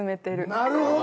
なるほど！